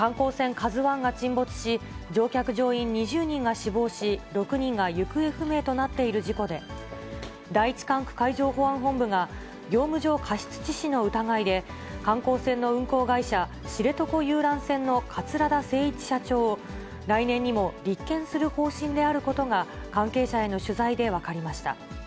ＫＡＺＵＩが沈没し、乗客・乗員２０人が死亡し、６人が行方不明となっている事故で、第１管区海上保安本部が業務上過失致死の疑いで、観光船の運航会社、知床遊覧船の桂田精一社長を、来年にも立件する方針であることが、関係者への取材で分かりました。